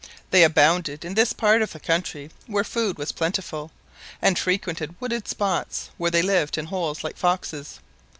They abounded in this part of the country, where food was plentiful; and frequented wooded spots, where they lived in holes like foxes.